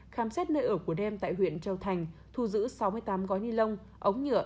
khám xét nơi ở của đem tại huyện châu thành thu giữ sáu mươi tám gói ni lông ống nhựa